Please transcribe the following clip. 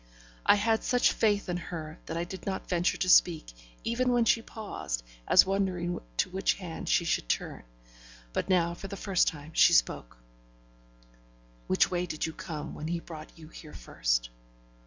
I had such faith in her that I did not venture to speak, even when she paused, as wondering to which hand she should turn. But now, for the first time, she spoke: 'Which way did you come when he brought you here first?'